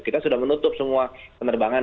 kita sudah menutup semua penerbangan